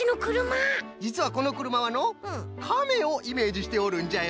じつはこのくるまはのかめをイメージしておるんじゃよ。